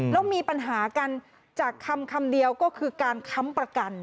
แล้วมีปัญหากันจากคำเดียวก็คือการค้ำประกัน